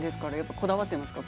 こだわっていますか？